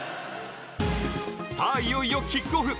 さあいよいよキックオフ